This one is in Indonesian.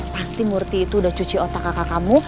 pasti murti itu udah cuci otak kakak kamu